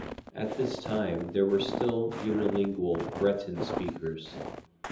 At this time there were still unilingual Breton speakers.